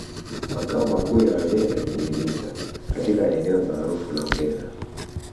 Makao makuu ya Wabena ni Iringa katika eneo maarufu la Ubena